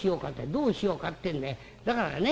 「どうしようかってんでだからね